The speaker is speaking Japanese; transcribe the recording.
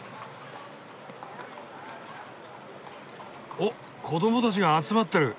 おっ子どもたちが集まってる。